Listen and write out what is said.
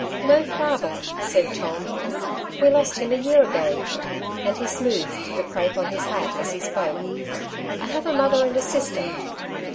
" No father," said Tom ;" we lost him a year ago," and he smoothed the crape on his hat as he spoke. *' I have a mother and a sister."